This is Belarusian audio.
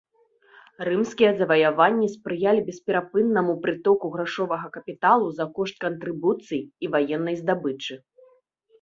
Рымскія заваяванні спрыялі бесперапынным прытоку грашовага капіталу за кошт кантрыбуцый і ваеннай здабычы.